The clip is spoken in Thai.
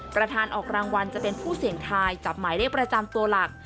ประธานออกรางวัลจะเป็นผู้เสี่ยงทายจับหมายเลขประจำตัวหลัก